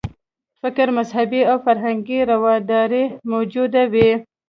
فکري، مذهبي او فرهنګي رواداري موجوده وي.